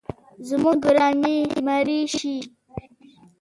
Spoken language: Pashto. زموږ رمې مړي شي